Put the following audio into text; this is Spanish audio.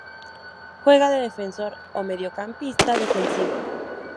Juega de defensor o mediocampista defensivo.